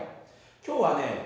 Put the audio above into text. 今日はね